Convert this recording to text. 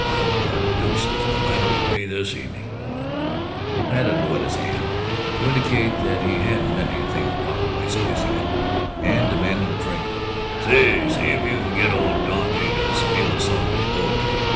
"What the deuce is the matter with me, this evening?" He patted Louetta's hand, to indicate that he hadn't meant anything improper by squeezing it, and demanded of Frink, "Say, see if you can get old Dant' to spiel us some of his poetry.